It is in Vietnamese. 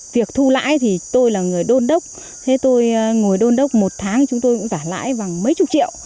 việc thu lãi thì tôi là người đôn đốc thế tôi ngồi đôn đốc một tháng chúng tôi cũng trả lãi bằng mấy chục triệu